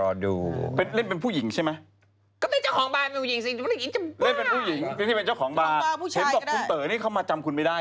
เห็นบอกคุณเต๋อนี่เขามาจำคุณไม่ได้เลย